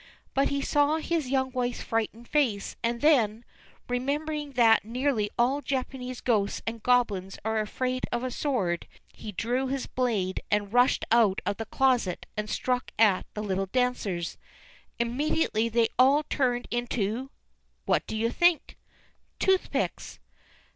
But he saw his young wife's frightened face; and then, remembering that nearly all Japanese ghosts and goblins are afraid of a sword, he drew his blade and rushed out of the closet, and struck at the little dancers. Immediately they all turned into—what do you think? _Toothpicks!